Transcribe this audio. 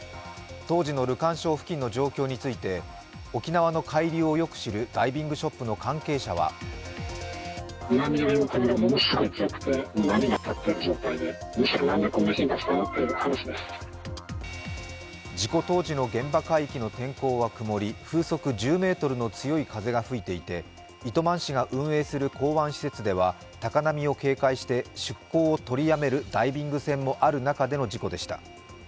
当時のルカン礁付近の状況について沖縄の海流をよく知るダイビングショップの関係者は事故当時の現場海域の天候は曇り風速１０メートルの強い風が吹いていて糸満市が運営する港湾施設では高波を警戒して出航を取りやめるダイビング船もある中での事故でした。